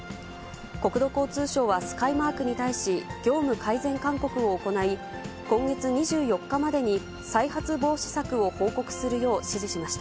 国土交通省はスカイマークに対し、業務改善勧告を行い、今月２４日までに再発防止策を報告するよう指示しました。